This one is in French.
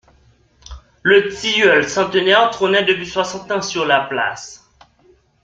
Le tilleul centenaire trônait depuis soixante ans sur la place.